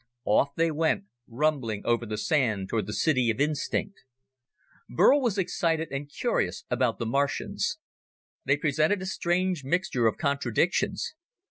Off they went, rumbling over the sand toward the city of instinct. Burl was excited and curious about the Martians. They presented a strange mixture of contradictions.